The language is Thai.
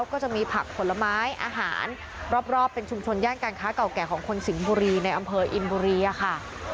ก็จะมีผักผลไม้อาหารรอบเป็นชุมชนย่านการค้าเก่าแก่ของคนสิงห์บุรีในอำเภออินบุรีค่ะ